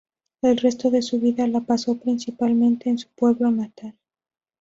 El resto de su vida la pasó principalmente en su pueblo natal.